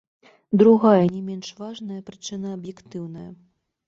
Другая, не менш важная, прычына аб'ектыўная.